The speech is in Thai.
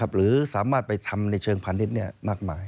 หรือสามารถไปทำในเชิงพันธุ์นี้เนี่ยมากมาย